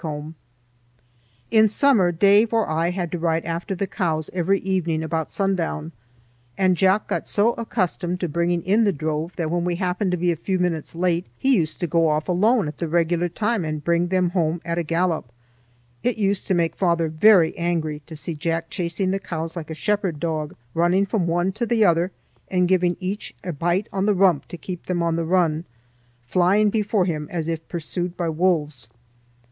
OUR FIRST WISCONSIN HOME OUR FIRST WISCONSIN HOME On the hill near the shanty built in the summer of 1849ToList In summer Dave or I had to ride after the cows every evening about sundown, and Jack got so accustomed to bringing in the drove that when we happened to be a few minutes late he used to go off alone at the regular time and bring them home at a gallop. It used to make father very angry to see Jack chasing the cows like a shepherd dog, running from one to the other and giving each a bite on the rump to keep them on the run, flying before him as if pursued by wolves.